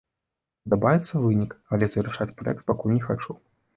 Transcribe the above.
Падабаецца вынік, але завяршаць праект пакуль не хачу.